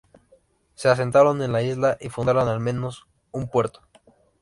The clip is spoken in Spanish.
Se asentaron en la isla y fundaron, al menos, un puerto.